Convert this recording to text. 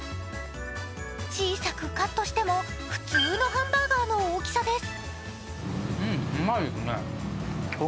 小さくカットしても普通のハンバーガーの大きさです。